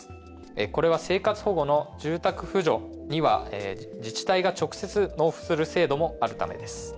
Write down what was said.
これは生活保護の住宅扶助には自治体が直接納付する制度もあるためです。